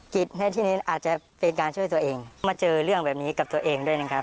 ในที่นี้อาจจะเป็นการช่วยตัวเองมาเจอเรื่องแบบนี้กับตัวเองด้วยนะครับ